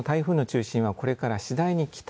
この台風の中心はこれから次第に